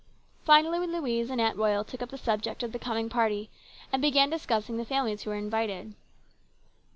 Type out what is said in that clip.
Finally Louise and Aunt Royal took up the subject of the coming party and began discussing the families who were invited.